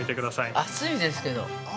◆熱いですけど。